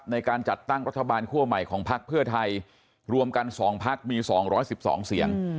ในการจัดตั้งรัฐบาลคั่วใหม่ของพรรคเพื่อไทยรวมกันสองพรรคมีสองร้อยสิบสองเสียง